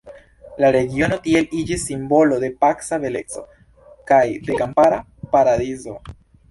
La regiono tiel iĝis simbolo de paca beleco kaj de kampara paradizo.